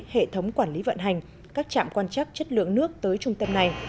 hệ thống quản lý vận hành các trạm quan chắc chất lượng nước tới trung tâm này